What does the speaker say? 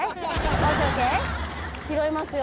ＯＫＯＫ拾いますよ